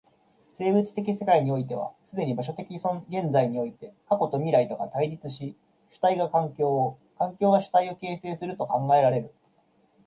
生物的世界においては既に場所的現在において過去と未来とが対立し、主体が環境を、環境が主体を形成すると考えられる。